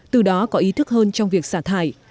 từ đó có ý thức hơn trong việc xả thải